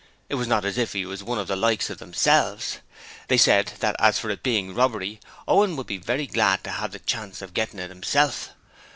It was not as if he were one of the likes of themselves. They said that, as for it being robbery, Owen would be very glad to have the chance of getting it himself.